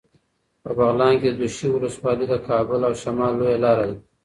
په بغلان کې د دوشي ولسوالي د کابل او شمال لویه لاره ده.